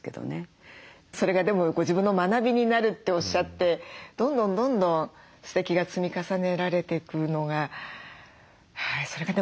それがでもご自分の学びになるっておっしゃってどんどんどんどんすてきが積み重ねられていくのがそれがでもさり気ないんですよね